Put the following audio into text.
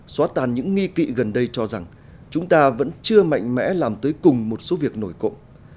xóa tàn những nghi kỵ gần đây cho rằng chúng ta vẫn chưa mạnh mẽ làm tới cùng một số việc nổi cộng